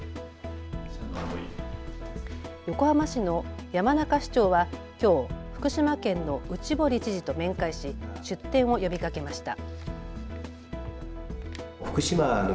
横浜市の山中市長はきょう福島県の内堀知事と面会し出展を呼びかけました。